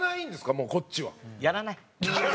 もうこっちは。やらない。